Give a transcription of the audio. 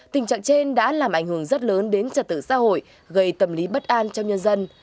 tình trạng trên đã làm ảnh hưởng rất lớn đến trật tự xã hội gây tâm lý bất an trong nhân dân